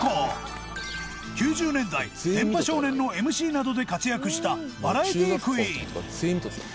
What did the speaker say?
９０年代『電波少年』の ＭＣ などで活躍したバラエティクイーン